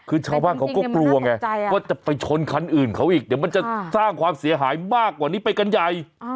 คือชาวบ้านเขาก็กลัวไงว่าจะไปชนคันอื่นเขาอีกเดี๋ยวมันจะสร้างความเสียหายมากกว่านี้ไปกันใหญ่